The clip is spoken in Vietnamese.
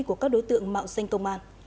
của các đối tượng mạo danh công an